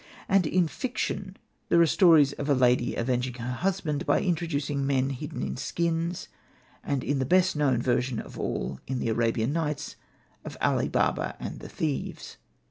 And in fiction there are the stories of a lady avenging her husband by intro ducing men hidden in skins, and the best known version of all in the " Arabian Nights," of Ali Baba and the thieves.